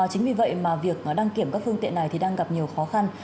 chính vì vậy mà việc đăng kiểm các phương tiện này thì đang gặp nhiều khó khăn